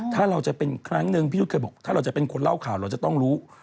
ถ้าเราจะเป็นครั้งหนึ่งพี่ยุทธ์เคยบอกถ้าเราจะเป็นคนเล่าข่าวเราจะต้องรู้